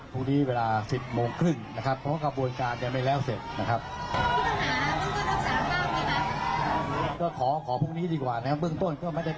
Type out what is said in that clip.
พรุ่งนี้เวลา๑๐โมงครึ่งนะครับเพราะกระบวนการยังไม่แล้วเสร็จนะครับ